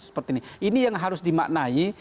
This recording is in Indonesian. seperti ini ini yang harus dimaknai